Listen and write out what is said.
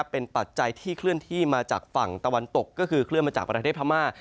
เป็นปัจจัยที่เคลื่อนที่มาจากฝั่งตะวันตกก็คือเคลื่อนมาจากประเทศพม่า